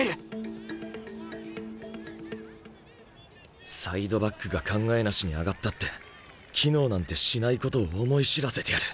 心の声サイドバックが考えなしに上がったって機能なんてしないことを思い知らせてやる！